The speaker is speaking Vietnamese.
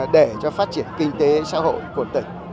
để cho phát triển kinh tế xã hội của tỉnh